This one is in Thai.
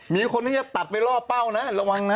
มีคนที่จะตัดไปล่อเป้านะระวังนะ